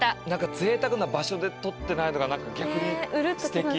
ぜいたくな場所で撮ってないのが何か逆にすてき。